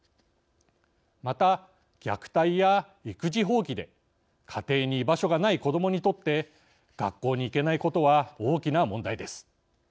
また、虐待や育児放棄で家庭に居場所がない子どもにとって学校に行けないことは大きな問題です。